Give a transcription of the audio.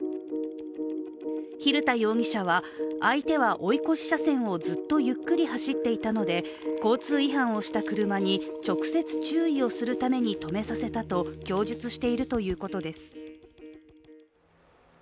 蛭田容疑者は、相手は追い越し車線をずっとゆっくり走っていたので交通違反をした車に直接注意をするために止めさせたと供述しているということです。